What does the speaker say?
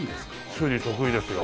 推理得意ですよ。